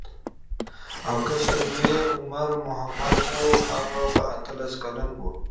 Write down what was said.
او کشر زوی مې عمر محمد و هغه به اتلس کلن و.